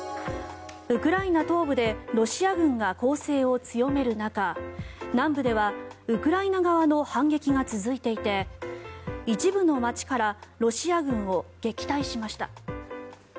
ウクライナ東部でロシア軍が攻勢を強める中南部ではウクライナ側の反撃が続いていて一部の街からロシア軍を撃退しました。